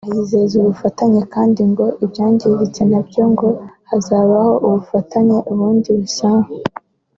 ayizeza ubufasha kandi ngo ibyangiritse nabyo ngo hazabaho ubufatanye ubundi bisanwe